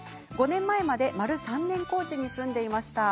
５年前まで丸３年高知に住んでいました。